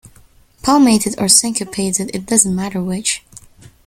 Palmated or syncopated, it doesn't matter which.